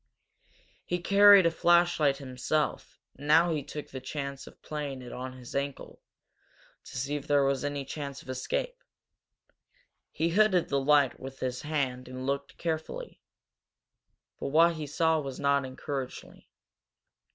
He carried a flashlight himself and now he took the chance of playing it on his ankle, to see if there was any chance of escape. He hooded the light with his hand and looked carefully. But what he saw was not encouraging.